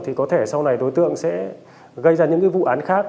thì có thể sau này đối tượng sẽ gây ra những vụ án khác